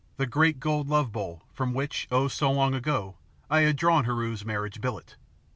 the great gold love bowl from which oh! so long ago I had drawn Heru's marriage billet.